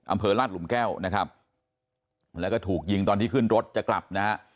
อำเภอราชหลุมแก้วนะครับแล้วก็ถูกยิงตอนที่ขึ้นรถจะกลับนะฮะ